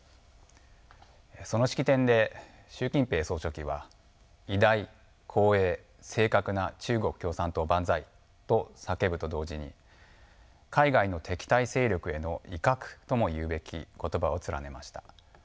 その式典で習近平総書記は「偉大・光栄・正確な中国共産党万歳！」と叫ぶと同時に海外の敵対勢力への威嚇とも言うべき言葉を連ねました。